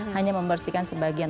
hanya membersihkan sebagian